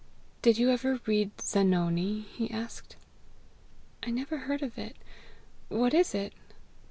"Did you ever read Zanoni?" he asked. "I never heard of it. What is it?"